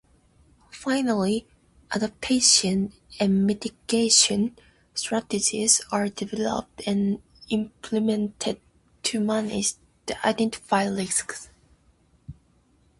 Finally, adaptation and mitigation strategies are developed and implemented to manage the identified risks.